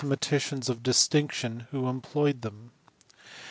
399 maticians of distinction who employed them.